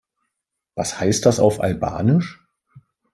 Was heißt das auf Albanisch?